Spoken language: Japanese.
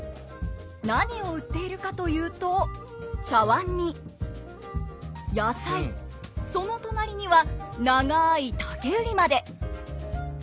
何を売っているかというとその隣には長い竹売りまで！